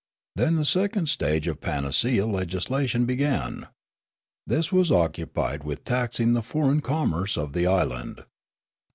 Then the second stage of panacea legislation began. This was occupied with taxing the foreign commerce of the island.